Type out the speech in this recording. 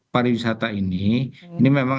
pariwisata ini ini memang